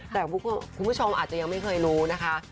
แต่คุณผู้ชมอาจจะยังไม่เคยรู้นะคะ